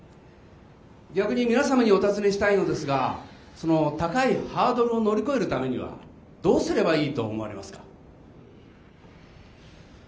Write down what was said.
逆に皆様にお尋ねしたいのですがその高いハードルを乗り越えるためにはどうすればいいと思われますか？